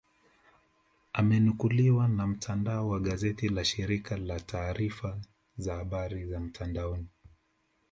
Amenukuliwa na mtandao wa gazeti la serikali la taarifa za habari za mtandaoni